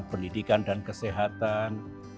pendidikan dan kesehatan